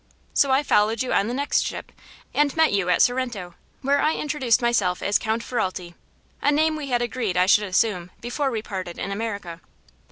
So I followed you on the next ship and met you at Sorrento, where I introduced myself as Count Ferralti a name we had agreed I should assume before we parted in America.